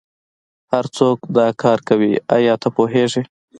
هرڅوک دا کار کوي ایا ته پوهیږې